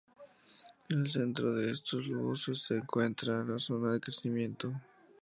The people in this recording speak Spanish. En el centro de estos lóbulos se encuentra la zona de crecimiento.